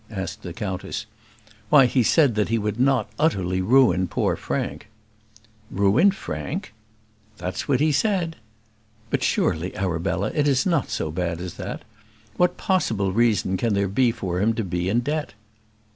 asked the countess. "Why, he said that he would not utterly ruin poor Frank." "Ruin Frank!" "That's what he said." "But, surely, Arabella, it is not so bad as that? What possible reason can there be for him to be in debt?"